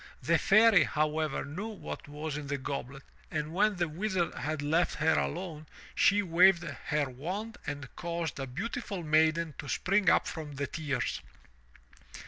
The Fairy, however, knew what was in the goblet, and when the Wizard had left her alone, she waved her wand and caused a beautiful maiden to spring up from the tears.